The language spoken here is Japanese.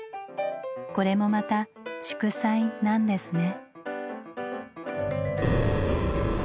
これもまた祝祭なんですね。